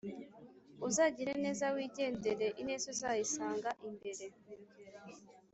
Uzagire neza wigendere ineza uzayisanga imbere